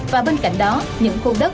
và bên cạnh đó những khu đất